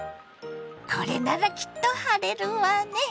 これならきっと晴れるわね。